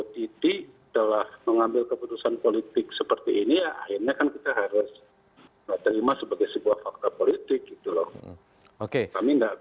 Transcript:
titi telah mengambil keputusan politik seperti ini ya akhirnya kan kita harus terima sebagai sebuah fakta politik gitu loh